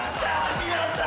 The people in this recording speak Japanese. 皆さん！